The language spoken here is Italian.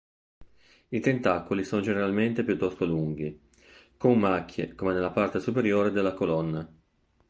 I tentacoli sono generalmente piuttosto lunghi con macchie come nella parte superiore della colonna.